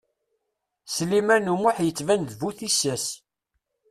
Sliman U Muḥ yettban d bu tissas.